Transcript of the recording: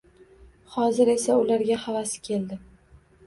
Hozir esa ularga havasi keldi